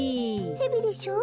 ヘビでしょ？